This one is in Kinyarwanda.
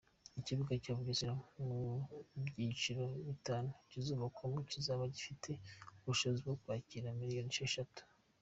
Ikibuga cya Bugesera mu byiciro bitanu kizubakwamo kizaba gifite ubushobozi bwo kwakira miliyoni esheshatu.